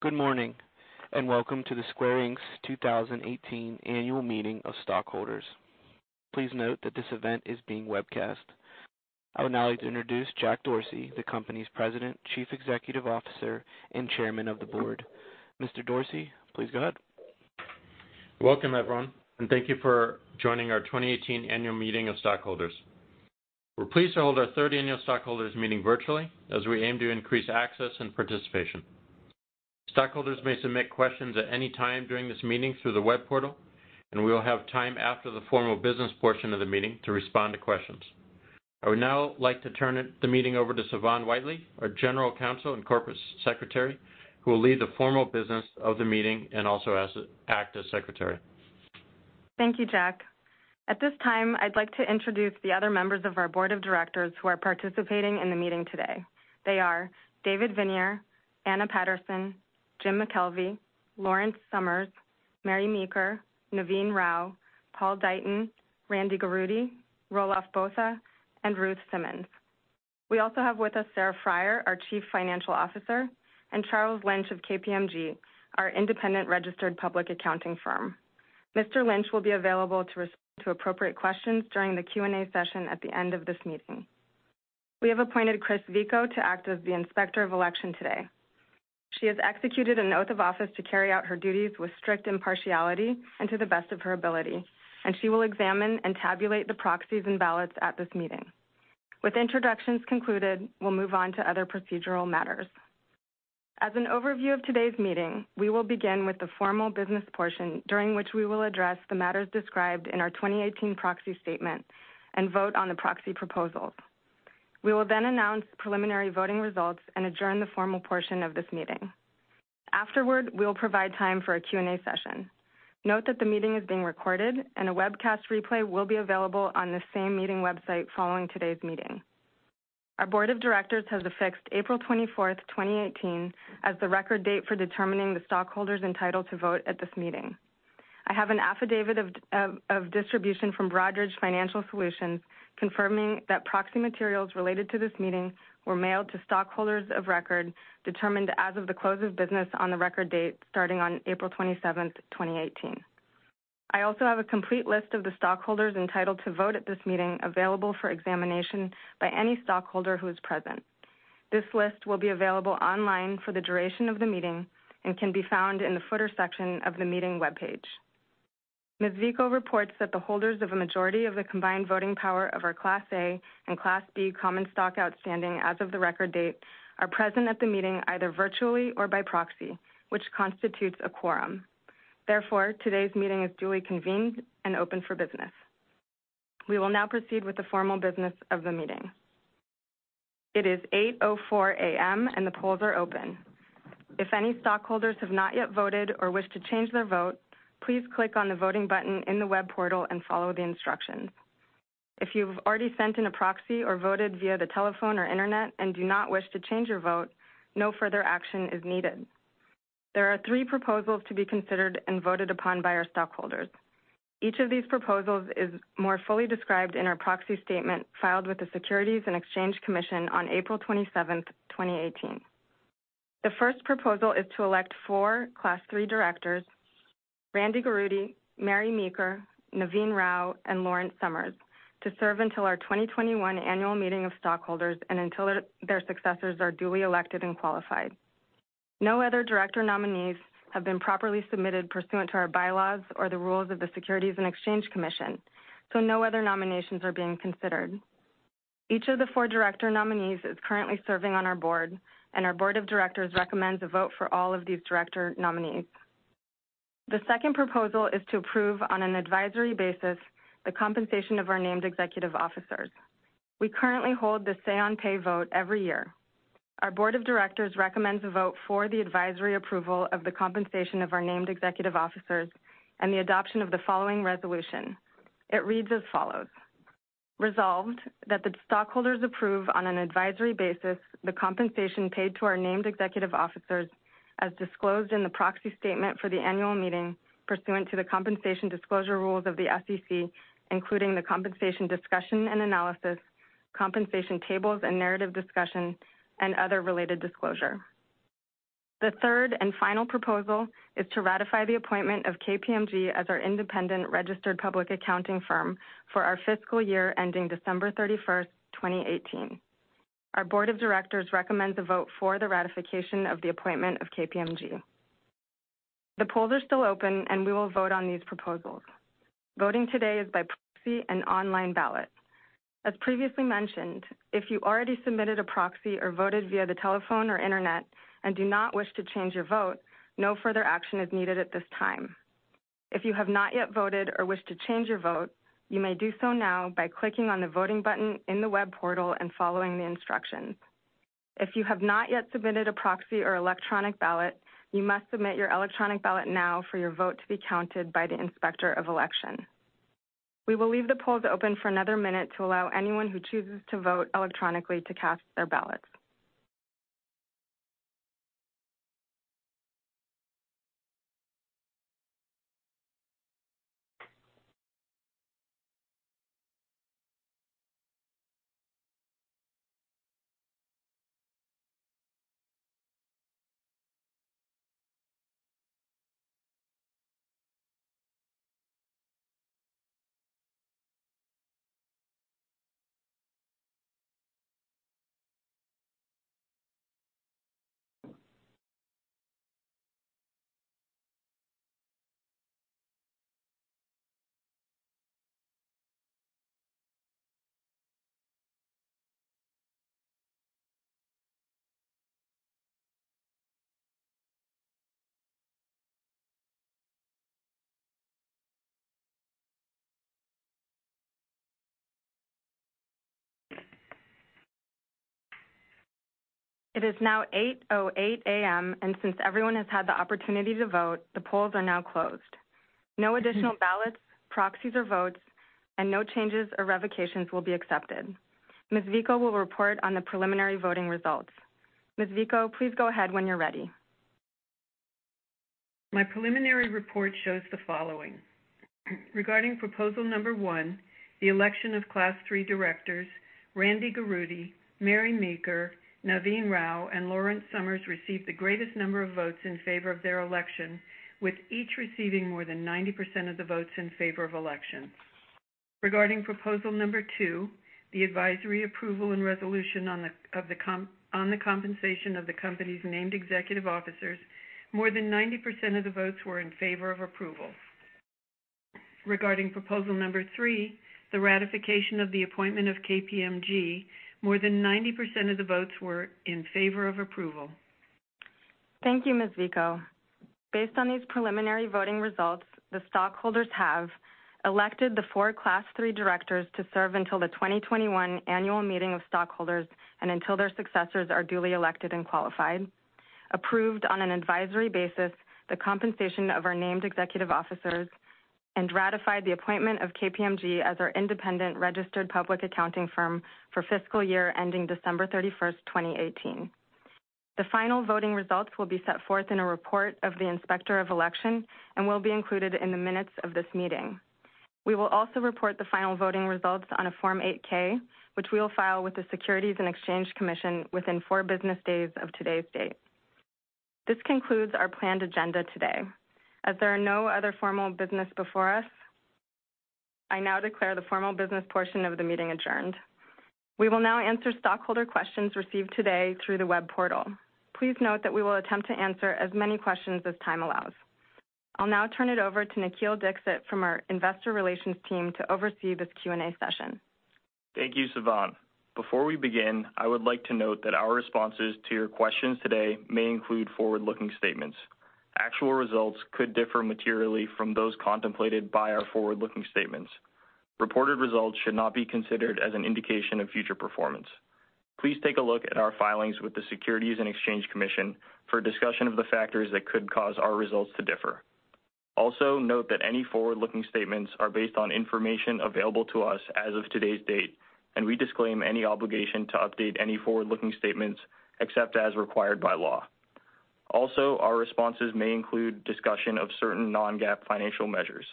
Good morning, and welcome to the Square, Inc.'s 2018 annual meeting of stockholders. Please note that this event is being webcast. I would now like to introduce Jack Dorsey, the company's President, Chief Executive Officer, and Chairman of the Board. Mr. Dorsey, please go ahead. Welcome, everyone, and thank you for joining our 2018 annual meeting of stockholders. We're pleased to hold our third annual stockholders meeting virtually as we aim to increase access and participation. Stockholders may submit questions at any time during this meeting through the web portal, and we will have time after the formal business portion of the meeting to respond to questions. I would now like to turn the meeting over to Sivan Whiteley, our General Counsel and Corporate Secretary, who will lead the formal business of the meeting and also act as secretary. Thank you, Jack. At this time, I'd like to introduce the other members of our Board of Directors who are participating in the meeting today. They are David Viniar, Anna Patterson, Jim McKelvey, Lawrence Summers, Mary Meeker, Naveen Rao, Paul Deighton, Randy Garutti, Roelof Botha, and Ruth Simmons. We also have with us Sarah Friar, our Chief Financial Officer, and Charles Lynch of KPMG, our independent registered public accounting firm. Mr. Lynch will be available to respond to appropriate questions during the Q&A session at the end of this meeting. We have appointed Chris Vico to act as the Inspector of Election today. She has executed an oath of office to carry out her duties with strict impartiality and to the best of her ability, and she will examine and tabulate the proxies and ballots at this meeting. With introductions concluded, we'll move on to other procedural matters. As an overview of today's meeting, we will begin with the formal business portion, during which we will address the matters described in our 2018 proxy statement and vote on the proxy proposals. We will then announce preliminary voting results and adjourn the formal portion of this meeting. Afterward, we will provide time for a Q&A session. Note that the meeting is being recorded, and a webcast replay will be available on the same meeting website following today's meeting. Our Board of Directors has affixed April 24th, 2018, as the record date for determining the stockholders entitled to vote at this meeting. I have an affidavit of distribution from Broadridge Financial Solutions confirming that proxy materials related to this meeting were mailed to stockholders of record determined as of the close of business on the record date starting on April 27th, 2018. I also have a complete list of the stockholders entitled to vote at this meeting available for examination by any stockholder who is present. This list will be available online for the duration of the meeting and can be found in the footer section of the meeting webpage. Ms. Vico reports that the holders of a majority of the combined voting power of our Class A and Class B common stock outstanding as of the record date are present at the meeting either virtually or by proxy, which constitutes a quorum. Therefore, today's meeting is duly convened and open for business. We will now proceed with the formal business of the meeting. It is 8:04 A.M., and the polls are open. If any stockholders have not yet voted or wish to change their vote, please click on the voting button in the web portal and follow the instructions. If you've already sent in a proxy or voted via the telephone or internet and do not wish to change your vote, no further action is needed. There are three proposals to be considered and voted upon by our stockholders. Each of these proposals is more fully described in our proxy statement filed with the Securities and Exchange Commission on April 27th, 2018. The first proposal is to elect four Class III directors, Randy Garutti, Mary Meeker, Naveen Rao, and Lawrence Summers, to serve until our 2021 annual meeting of stockholders and until their successors are duly elected and qualified. No other director nominees have been properly submitted pursuant to our bylaws or the rules of the Securities and Exchange Commission, so no other nominations are being considered. Each of the four director nominees is currently serving on our board. Our board of directors recommends a vote for all of these director nominees. The second proposal is to approve, on an advisory basis, the compensation of our named executive officers. We currently hold the say on pay vote every year. Our board of directors recommends a vote for the advisory approval of the compensation of our named executive officers and the adoption of the following resolution. It reads as follows, "Resolved, that the stockholders approve on an advisory basis the compensation paid to our named executive officers as disclosed in the proxy statement for the annual meeting pursuant to the compensation disclosure rules of the SEC, including the Compensation Discussion and Analysis, compensation tables and narrative discussion, and other related disclosure." The third and final proposal is to ratify the appointment of KPMG as our independent registered public accounting firm for our fiscal year ending December 31st, 2018. Our board of directors recommends a vote for the ratification of the appointment of KPMG. The polls are still open. We will vote on these proposals. Voting today is by proxy and online ballot. As previously mentioned, if you already submitted a proxy or voted via the telephone or internet and do not wish to change your vote, no further action is needed at this time. If you have not yet voted or wish to change your vote, you may do so now by clicking on the voting button in the web portal and following the instructions. If you have not yet submitted a proxy or electronic ballot, you must submit your electronic ballot now for your vote to be counted by the Inspector of Election. We will leave the polls open for another minute to allow anyone who chooses to vote electronically to cast their ballots. It is now 8:08 A.M., and since everyone has had the opportunity to vote, the polls are now closed. No additional ballots, proxies, or votes, and no changes or revocations will be accepted. Ms. Vico will report on the preliminary voting results. Ms. Vico, please go ahead when you're ready. My preliminary report shows the following. Regarding proposal number one, the election of Class III directors, Randy Garutti, Mary Meeker, Naveen Rao, and Lawrence Summers received the greatest number of votes in favor of their election, with each receiving more than 90% of the votes in favor of election. Regarding proposal number two, the advisory approval and resolution on the compensation of the company's named executive officers, more than 90% of the votes were in favor of approval. Regarding proposal number three, the ratification of the appointment of KPMG, more than 90% of the votes were in favor of approval. Thank you, Ms. Vico. Based on these preliminary voting results, the stockholders have elected the four Class III directors to serve until the 2021 annual meeting of stockholders and until their successors are duly elected and qualified, approved on an advisory basis the compensation of our named executive officers, and ratified the appointment of KPMG as our independent registered public accounting firm for fiscal year ending December 31st, 2018. The final voting results will be set forth in a report of the Inspector of Election and will be included in the minutes of this meeting. We will also report the final voting results on a Form 8-K, which we will file with the Securities and Exchange Commission within four business days of today's date. This concludes our planned agenda today. As there are no other formal business before us, I now declare the formal business portion of the meeting adjourned. We will now answer stockholder questions received today through the web portal. Please note that we will attempt to answer as many questions as time allows. I'll now turn it over to Nikhil Dixit from our investor relations team to oversee this Q&A session. Thank you, Sivan. Before we begin, I would like to note that our responses to your questions today may include forward-looking statements. Actual results could differ materially from those contemplated by our forward-looking statements. Reported results should not be considered as an indication of future performance. Please take a look at our filings with the Securities and Exchange Commission for a discussion of the factors that could cause our results to differ. Also, note that any forward-looking statements are based on information available to us as of today's date, and we disclaim any obligation to update any forward-looking statements except as required by law. Also, our responses may include discussion of certain non-GAAP financial measures.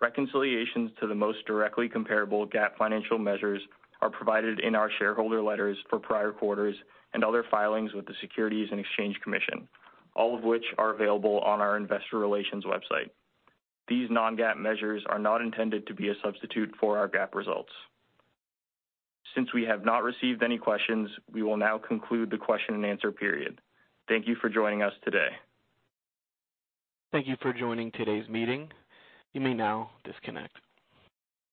Reconciliations to the most directly comparable GAAP financial measures are provided in our shareholder letters for prior quarters and other filings with the Securities and Exchange Commission, all of which are available on our investor relations website. These non-GAAP measures are not intended to be a substitute for our GAAP results. Since we have not received any questions, we will now conclude the question and answer period. Thank you for joining us today. Thank you for joining today's meeting. You may now disconnect.